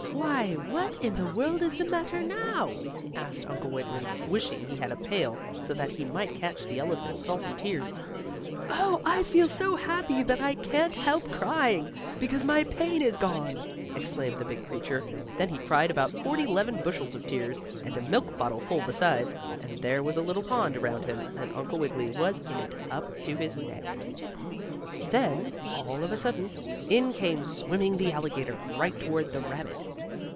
"Why, what in the world is the matter now?" asked Uncle Wiggily, wishing he had a pail, so that he might catch the elephant's salty tears. "Oh, I feel so happy that I can't help crying, because my pain is gone!" exclaimed the big creature. Then he cried about forty 'leven bushels of tears, and a milk bottle full besides, and there was a little pond around him, and Uncle Wiggily was in it up to his neck. Then, all of a sudden, in came swimming the alligator, right toward the rabbit.